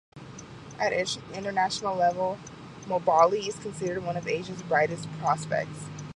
At international level Mobali is considered one of Asia's brightest prospects.